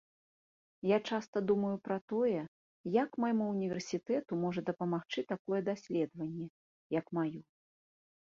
Я часта думаю пра тое, як майму універсітэту можа дапамагчы такое даследаванне, як мае.